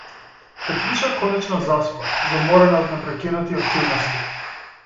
Катјуша конечно заспа, заморена од непрекинати активности.